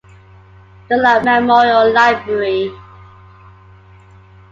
Dunlap Memorial Library.